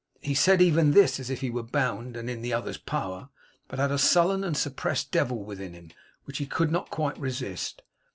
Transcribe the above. He said even this as if he were bound, and in the other's power, but had a sullen and suppressed devil within him, which he could not quite resist.